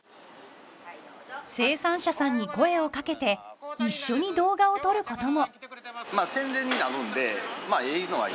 生産者さんに声をかけて一緒に動画を撮ることも。